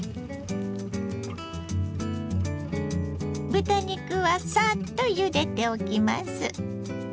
豚肉はさっとゆでておきます。